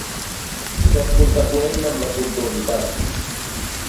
Sóc conseqüent amb la puntualitat.